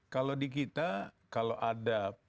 kalau di kita kalau ada